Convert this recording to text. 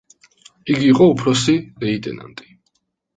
იგი იყო უფროსი ლეიტენანტი.